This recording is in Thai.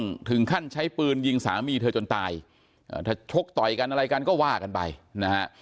ถึงขั้นใช้ปืนยิงสามีเธอจนตายถ้าชกต่อยกันอะไรกันก็ว่ากันไปนะฮะ